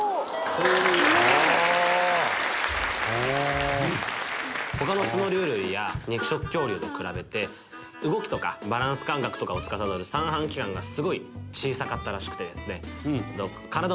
すごい！他の角竜類や肉食恐竜と比べて動きとかバランス感覚とかをつかさどる三半規管がすごい小さかったらしくてですね。